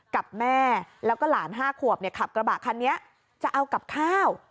กับแม่แล้วก็หลาน๕ขวบขับกระบะคันนี้จะเอากับข้าว